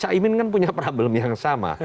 caimin kan punya problem yang sama